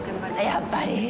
やっぱり？